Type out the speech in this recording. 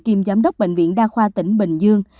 kiêm giám đốc bệnh viện đa khoa tỉnh bình dương